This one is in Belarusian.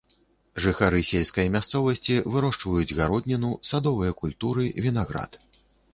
Жыхары сельскай мясцовасці вырошчваюць гародніну, садовыя культуры, вінаград.